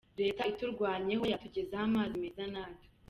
Leta iturwanyeho yatugezaho amazi meza natwe.